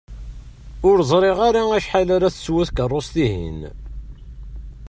Ur ẓriɣ ara acḥal ara teswu tkerrust-ihin.